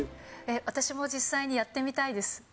私も実際にやってみたいです。